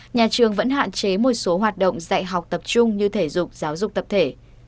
nhà trường vẫn hạn chế một số hoạt động dạy học tập trung như thể dục giáo dục tập thể